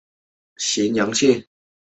它们的化石在冈瓦纳大陆被发现。